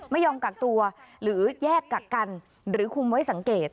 ไม่ยอมกักตัวหรือแยกกักกันหรือคุมไว้สังเกต